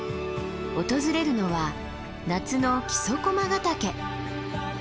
訪れるのは夏の木曽駒ヶ岳。